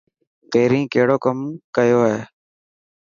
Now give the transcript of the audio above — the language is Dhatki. پهرين ڪڙو ڪم ڪيو هو.